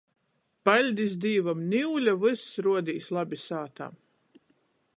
Paļdis Dīvam, niule vyss ruodīs labi sātā!